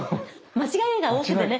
間違いが多くてね。